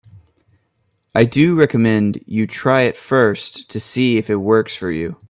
I do recommend you try it first to see if it works for you.